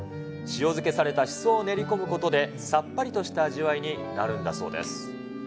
塩漬けされたしそを練り込むことで、さっぱりとした味わいになるんだそうです。